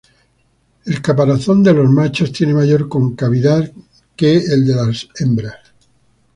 El caparazón de los machos tiene mayor concavidad que el de las hembras.